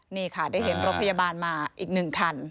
นี่ค่ะได้เห็นรถพยาบาลมาอีก๑คัน